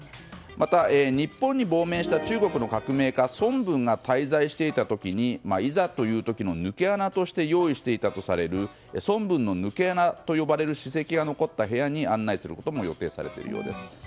また、日本に亡命した中国の革命家・孫文が滞在していた時にいざという時の抜け穴として用意していたとされる孫文の抜け穴と呼ばれる史跡が残った部屋に案内することも予定されているようです。